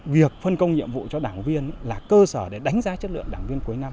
việc phân công nhiệm vụ cho đảng viên là cơ sở để đánh giá chất lượng